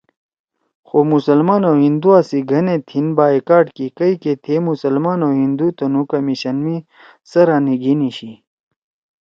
خو مسلمان او ہندُوا سی گھنَے تھیِن بایئکاٹ کی کئی کہ تھیئے مسلمان او ہندُو تنُو کمیشن می سرَا نی گھیِنی شی